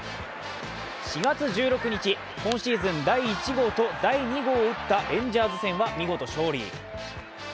４月１６日、今シーズン第１号と第２号を打ったレンジャーズ戦は見事勝利。